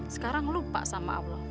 sekarang lupa sama allah